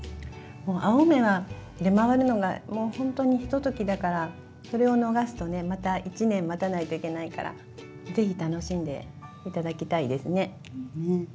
もう青梅は出回るのがもうほんとにひとときだからそれを逃すとねまた一年待たないといけないからぜひ楽しんで頂きたいですね。